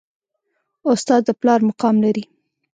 استاد د پلار مقام لري